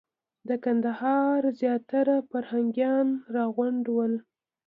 د کندهار زیاتره فرهنګیان راغونډ ول.